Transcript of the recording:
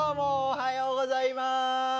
おはようございます！